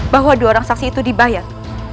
bahwa dua orang saksi itu dibayar